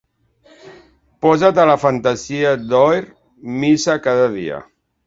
Posa't a la fantasia d'oir missa cada dia.